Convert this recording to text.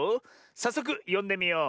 さっそくよんでみよう。